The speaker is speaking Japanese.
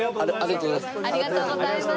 ありがとうございます。